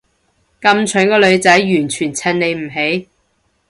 咁蠢嘅女仔完全襯你唔起